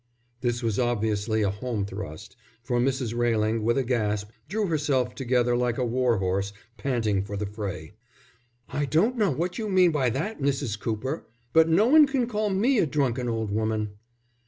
This was obviously a home thrust, for Mrs. Railing, with a gasp, drew herself together like a war horse panting for the fray. "I don't know what you mean by that, Mrs. Cooper. But no one can call me a drunken old woman."